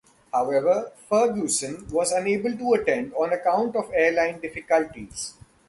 However, Ferguson was unable to attend on account of airline difficulties.